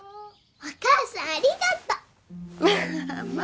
お母さん、ありがとう！